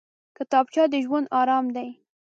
کتابچه د ژوند ارام دی